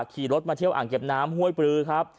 ขี่รถมาเที่ยวอ่างเก็บน้ำห้วยปลือครับ